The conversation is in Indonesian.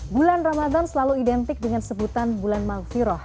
bulan ramadhan selalu identik dengan sebutan bulan maghfirah